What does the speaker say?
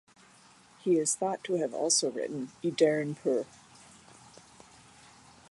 He is thought to have also written "Y deryn pur".